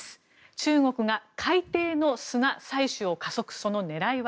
中国が海底の砂採取を加速、その狙いは。